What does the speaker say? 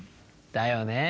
だよね。